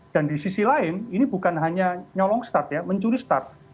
dan di sisi lain ini bukan hanya nyolong start ya mencuri start